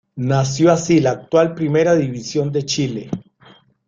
Nació así, la actual Primera División de Chile.